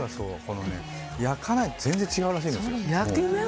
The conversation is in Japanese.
焼かないと全然違うらしいです。